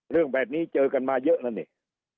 เรื่องแบบนี้เจอกันมาเยอะแล้วนี่